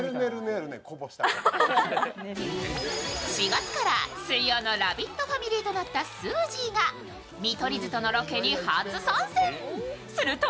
４月から水曜のラヴィットファミリーとなったすーじーが見取り図とのロケに初参戦すると